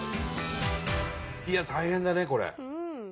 いや大変だねこれ。